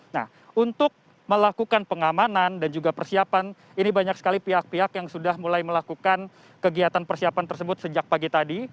nah untuk melakukan pengamanan dan juga persiapan ini banyak sekali pihak pihak yang sudah mulai melakukan kegiatan persiapan tersebut sejak pagi tadi